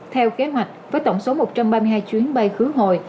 theo kế hoạch với tổng số một trăm ba mươi hai chuyến bay khứ hồi